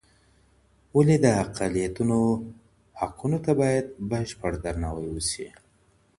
ولي د اقلیتونو حقونو ته باید بشپړ درناوی وسي؟